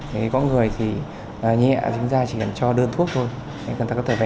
thế có người thì nhẹ chúng ta chỉ cần cho đơn thuốc